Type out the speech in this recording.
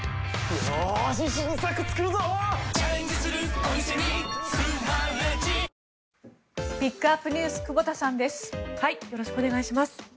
よろしくお願いします。